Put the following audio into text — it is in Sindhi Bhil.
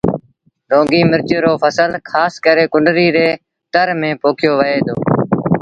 لونگيٚ مرچ رو ڦسل کآس ڪري ڪنريٚ ري تر ميݩ پوکيو وهي دو